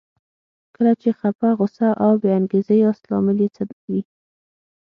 کله چې خپه، غوسه او بې انګېزې ياست لامل يې څه وي؟